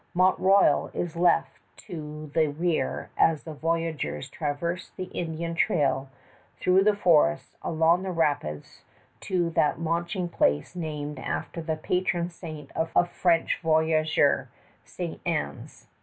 Mount Royal is left to the rear as the voyageurs traverse the Indian trail through the forests along the rapids to that launching place named after the patron saint of French voyageur Ste. Anne's.